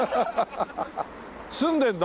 住んでんの？